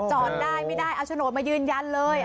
จอดได้ไม่ได้เอาโฉนดมายืนยันเลย